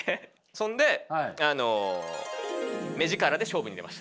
そんであの目力で勝負に出ました。